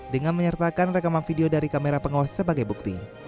dengan menyertakan rekaman video dari kamera pengawas sebagai bukti